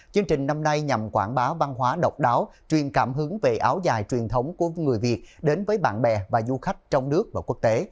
chương trình năm nay nhằm quảng bá văn hóa độc đáo truyền cảm hứng về áo dài truyền thống của người việt đến với bạn bè và du khách trong nước và quốc tế